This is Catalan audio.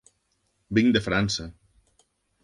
Vinc de França.